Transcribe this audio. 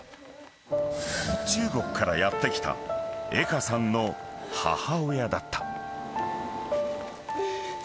［中国からやって来た江歌さんの母親だった］